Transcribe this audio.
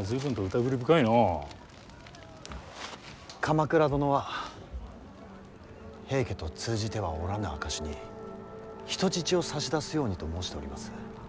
鎌倉殿は平家と通じてはおらぬ証しに人質を差し出すようにと申しております。